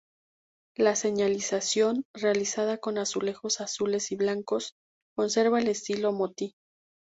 La señalización, realizada con azulejos azules y blancos, conserva el estilo Motte.